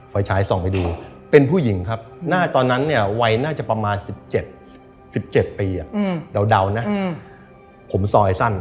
ไฟฉายส่องไปดูเป็นผู้หญิงครับหน้าตอนนั้นเนี่ยวัยน่าจะประมาณ๑๗๑๗ปีเดานะผมซอยสั้น